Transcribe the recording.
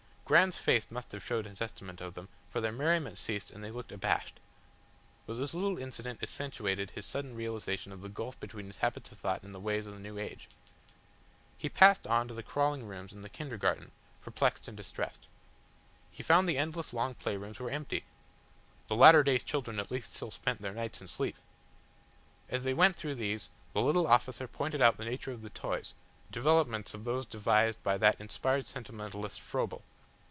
Graham's face must have showed his estimate of them, for their merriment ceased and they looked abashed. But this little incident accentuated his sudden realisation of the gulf between his habits of thought and the ways of the new age. He passed on to the crawling rooms and the Kindergarten, perplexed and distressed. He found the endless long playrooms were empty! the latter day children at least still spent their nights in sleep. As they went through these, the little officer pointed out the nature of the toys, developments of those devised by that inspired sentimentalist Froebel.